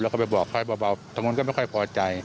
แล้วเขาไปบอกเขาให้เบาทางกลุ่มก็ไม่ค่อยพอใจ